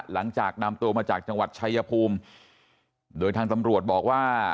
หลังจากนำตัวมาจากจังหวัดชายภูมิโดยทางตำรวจบอกว่า